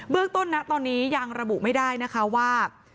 เรื่องต้นนะตอนนี้ยังระบุไม่ได้นะคะว่า